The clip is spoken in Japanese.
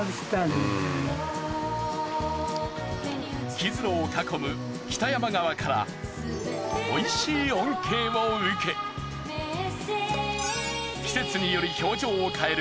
木津呂を囲む北山川からおいしい恩恵を受け季節により表情を変える